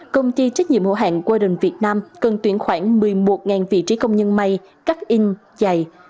công ty trách nhiệm hữu hạn warren việt nam cần tuyển khoảng một mươi một vị trí công nhân may cắt in chày